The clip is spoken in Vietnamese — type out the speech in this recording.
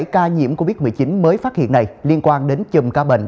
hai ca nhiễm covid một mươi chín mới phát hiện này liên quan đến chùm ca bệnh